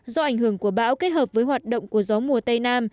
do ảnh hưởng của bão kết hợp với hoạt động của gió mùa tây nam